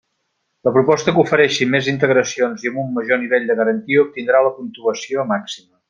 La proposta que ofereixi més integracions i amb un major nivell de garantia obtindrà la puntuació màxima.